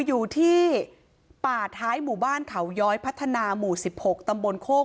อยู่ที่ป่าท้ายหมู่บ้านเขาย้อยพัฒนาหมู่๑๖ตำบลโคก